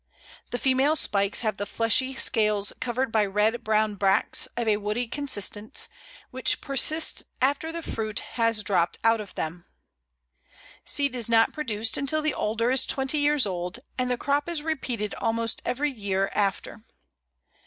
The female spikes have the fleshy scales covered by red brown bracts of a woody consistence, which persist after the fruit has dropped out of them. Seed is not produced until the Alder is twenty years old, and the crop is repeated almost every year after.